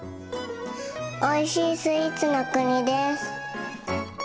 「おいしいスイーツの国」です。